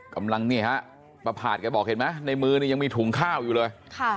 กำลังนี่ฮะป้าผาดแกบอกเห็นไหมในมือนี่ยังมีถุงข้าวอยู่เลย